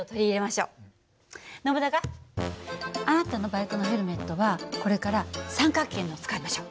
ノブナガあなたのバイクのヘルメットはこれから三角形のを使いましょう。